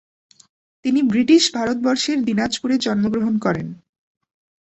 তিনি বৃটিশ ভারতবর্ষের দিনাজপুরে জন্মগ্রহণ করেন।